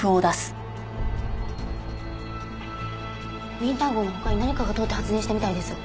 ウィンター号の他に何かが通って発電したみたいです。